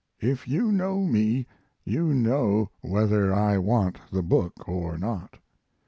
If you know me, you know whether I want the book or not.